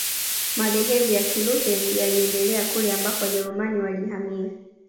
Madhehebu ya Kilutheri yalienea kule ambako Wajerumani walihamia